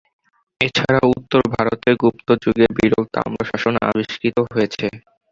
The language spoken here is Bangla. এছাড়াও উত্তর ভারতে গুপ্ত যুগের বিরল তাম্রশাসন আবিষ্কৃত হয়েছে।